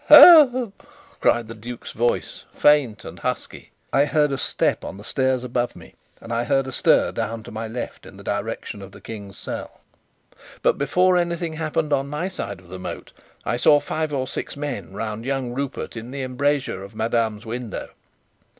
"Help!" cried the duke's voice, faint and husky. I heard a step on the stairs above me; and I heard a stir down to my left, in the direction of the King's cell. But, before anything happened on my side of the moat, I saw five or six men round young Rupert in the embrasure of madame's window.